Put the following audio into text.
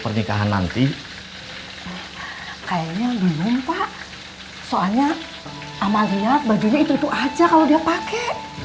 pernikahan nanti kayaknya belum pak soalnya sama lihat bajunya itu itu aja kalau dia pakai